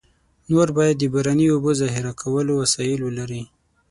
نور باید د باراني اوبو ذخیره کولو وسایل ولري.